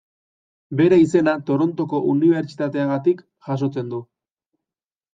Bere izena Torontoko Unibertsitateagatik jasotzen du.